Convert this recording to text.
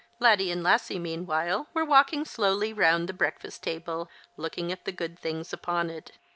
Laddie and Lassie meanwhile were walking slowly r(umd the breakfast table, looking at the good things upon it.